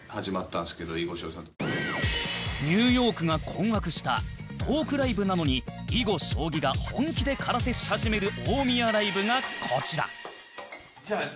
ニューヨークが困惑したトークライブなのに囲碁将棋が本気で空手し始める大宮ライブがこちら